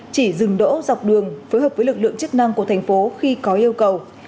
chỉ dừng đỗ dọc đường phối hợp với lực lượng chức năng của thành phố khi có yêu cầu